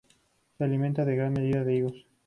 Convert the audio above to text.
Se alimenta en gran medida de higos.